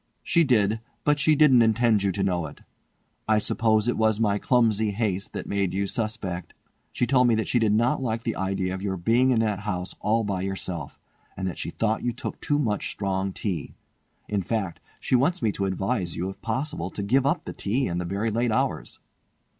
"She did: but she didn't intend you to know it. I suppose it was my clumsy haste that made you suspect. She told me that she did not like the idea of your being in that house all by yourself, and that she thought you took too much strong tea. In fact, she wants me to advise you if possible to give up the tea and the very late hours.